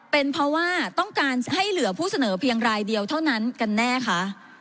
เป็นเพราะว่าต้องการให้เหลือผู้เสนอเพียงรายเดียวเท่านั้นกันแน่คะ